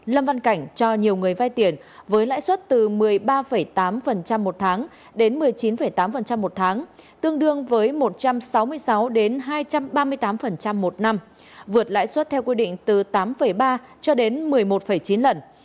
lầm văn cảnh cho nhiều người vai tiền với lãi suất từ một mươi ba tám một tháng đến một mươi chín tám một tháng tương đương với một trăm sáu mươi sáu hai trăm ba mươi tám một năm vượt lãi suất theo quy định từ tám ba cho đến một mươi một chín lần